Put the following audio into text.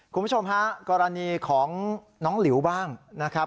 คุณผู้ชมฮะกรณีของน้องหลิวบ้างนะครับ